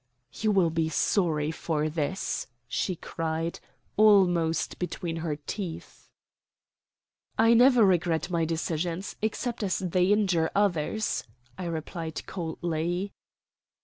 "You will be sorry for this!" she cried, almost between her teeth. "I never regret my decisions, except as they injure others," I replied coldly.